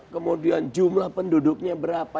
kemudian jumlah penduduknya berapa